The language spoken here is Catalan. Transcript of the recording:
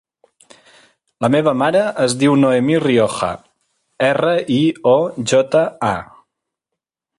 La meva mare es diu Noemí Rioja: erra, i, o, jota, a.